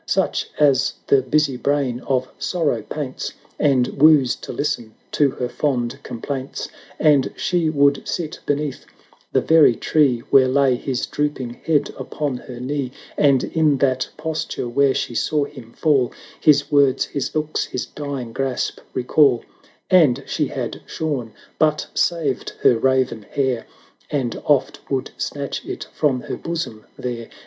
Such as the busy brain of Sorrow paints, And woos to listen to her fond com plaints: And she would sit beneath the very tree 412 HEBREW MELODIES Where lay his drooping head upon her knee; And in that posture where she saw him fall, His words, his looks, his dying grasp recall; 1260 And she had shorn, but saved her raven hair. And oft would snatch it from her bosom there.